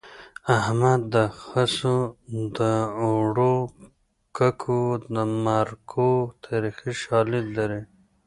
احمد د خسو د اوړو ککو د مرکو تاریخي شالید لري